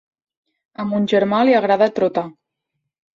A mon germà li agrada trotar.